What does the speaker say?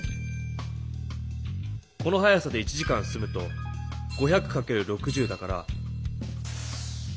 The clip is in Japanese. この速さで１時間進むと５００かける６０だから。